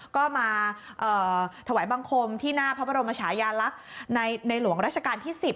ก็มาถวายบังคมที่หน้าพระบรมชายาลักษณ์ในหลวงราชการที่๑๐